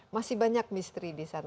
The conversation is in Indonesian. masih banyak misteri disana